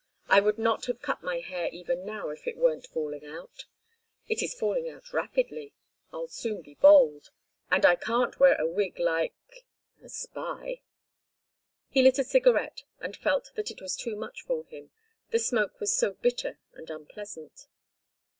I would not have cut my hair even now if it weren't falling out. It is falling out rapidly. I'll soon be bald. And I can't wear a wig like—a spy." He lit a cigarette and felt that it was too much for him—the smoke was so bitter and unpleasant.